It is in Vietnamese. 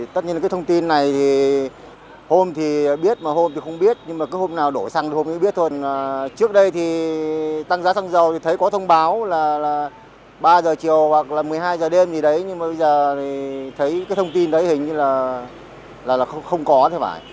thông tin đó hình như là không có thế phải